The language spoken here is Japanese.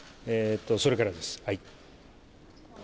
それからです。